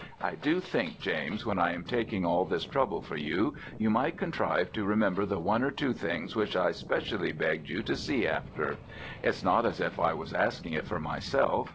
I do think, James, when I am taking all this trouble for you, you might contrive to remember the one or two things which I specially begged you to see after. It's not as if I was asking it for myself.